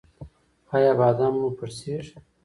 ایا بادام مو پړسیږي؟